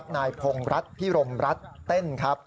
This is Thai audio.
นายพงรัฐพิรมรัฐเต้นครับ